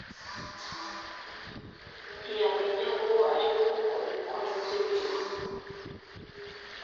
ntiyamenya uwo ari we kuko ibikonjo bye biriho